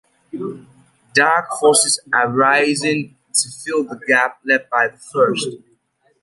Dark forces are arising to fill the gap left by the First.